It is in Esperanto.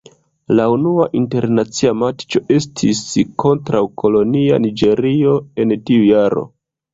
La unua internacia matĉo estis kontraŭ kolonia Niĝerio en tiu jaro.